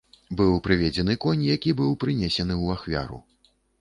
Быў прыведзены конь, які быў прынесены ў ахвяру.